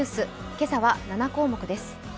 今朝は７項目です。